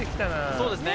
そうですね。